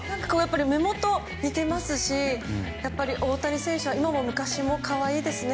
目元が似ていますし大谷選手は今も昔も可愛いですね。